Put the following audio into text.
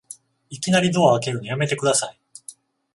いきなりドア開けるのやめてください